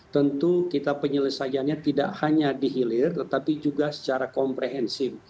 tentu kita penyelesaiannya tidak hanya di hilir tetapi juga secara komprehensif